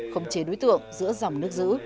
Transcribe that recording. không chế đối tượng giữa dòng nước giữ